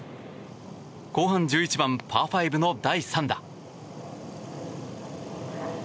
後半１１番パー５の第３打。